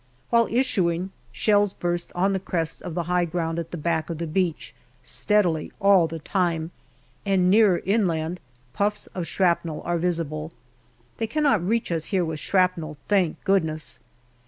While issuing, shells burst on the crest of the high ground at the back of the beach steadily all the time, and nearer inland puffs of shrapnel are visible. They cannot reach us here with shrapnel, thank goodness